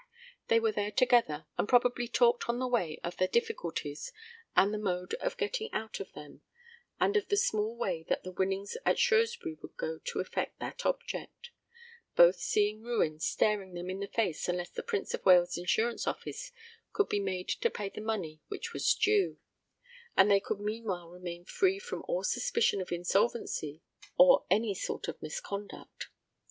They went there together, and probably talked on the way of their difficulties and the mode of getting out of them, and of the small way that the winnings at Shrewsbury would go to effect that object, both seeing ruin staring them in the face unless the Prince of Wales Insurance office could be made to pay the money which was due, and they could meanwhile remain free from all suspicion of insolvency or any sort of misconduct.